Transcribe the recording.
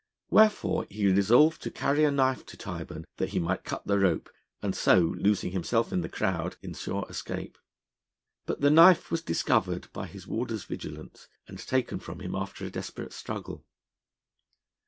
Wherefore he resolved to carry a knife to Tyburn that he might cut the rope, and so, losing himself in the crowd, ensure escape. But the knife was discovered by his warder's vigilance, and taken from him after a desperate struggle.